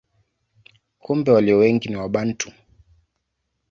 Kumbe walio wengi ni Wabantu.